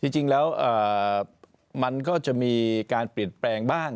จริงแล้วมันก็จะมีการเปลี่ยนแปลงบ้าง